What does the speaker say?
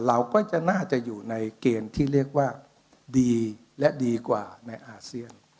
เราก็จะน่าจะอยู่ในเกณฑ์ที่เรียกว่าดีและดีกว่าในอาเซียน